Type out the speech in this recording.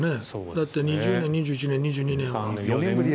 だって２０年、２１年、２２年。